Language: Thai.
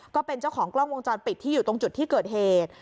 ก็เป็นเจ้าของกล้องวงจรปิดที่อยู่ตรงจุดที่เกิดเหตุ